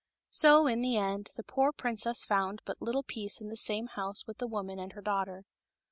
So, in the end, the poor princess found but little peace in the same house with the woman and her daughter.